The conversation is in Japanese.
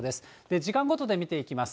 時間ごとで見ていきます。